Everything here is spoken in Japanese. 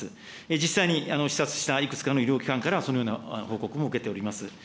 実際に視察したいくつかの医療機関からはそのような報告も受けております。